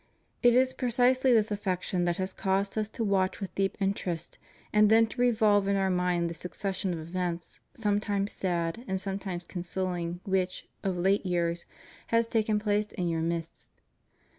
It is precisely this affection that has caused Us to watch with deep interest and then to revolve in Our mind the succession of events, sometimes sad, sometimes consoling, which, of late years, has taken place in your midst.